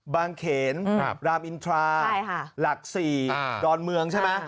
เขนรามอินทราหลัก๔ดอนเมืองใช่ไหม